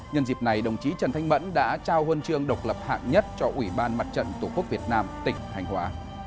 nhân dịp này đồng chí trần thanh mẫn đã trao huân chương độc lập hạng nhất cho ủy ban mặt trận tổ quốc việt nam tỉnh thanh hóa